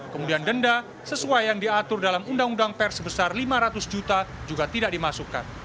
kemudian denda sesuai yang diatur dalam undang undang pers sebesar lima ratus juta juga tidak dimasukkan